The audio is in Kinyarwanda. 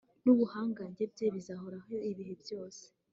n’ubuhangange bye bizahoraho ibihe byose